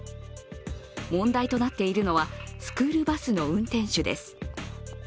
問題となっているのはスクールバスの運転手です。